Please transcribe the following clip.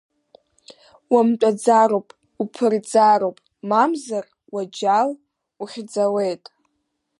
Умтәаӡароуп, уԥырӡароуп, мамзар, уаџьал ухьӡауеит!